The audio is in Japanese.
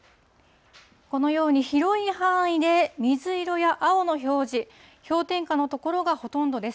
このように広い範囲で水色や青の表示、氷点下の所がほとんどです。